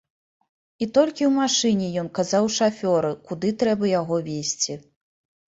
І толькі ў машыне ён казаў шафёру, куды трэба яго везці.